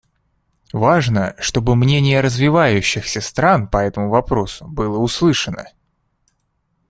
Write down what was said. Важно, чтобы мнение развивающихся стран по этому вопросу было услышано.